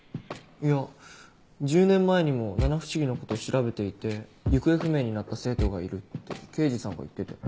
いや１０年前にも七不思議のことを調べていて行方不明になった生徒がいるって刑事さんが言ってて。